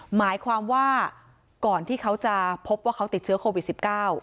หมายความว่าก่อนที่เขาจะพบว่าเขาติดเชื้อโควิด๑๙